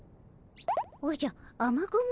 おじゃ雨雲とな？